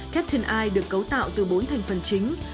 captain eye được cấu tạo từ bốn thành phần chính